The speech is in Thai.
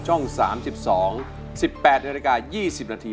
ช่อง๓๒๑๘นาฬิกา๒๐นาที